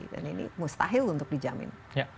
dan ini mustahil untuk dijamin